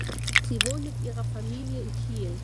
Sie wohnt mit ihrer Familie in Kiel.